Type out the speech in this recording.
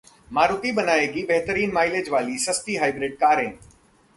मारुति बनाएगी बेहतरीन माइलेज वाली सस्ती हाइब्रिड कारें